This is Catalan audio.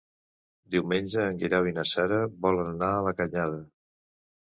Diumenge en Guerau i na Sara volen anar a la Canyada.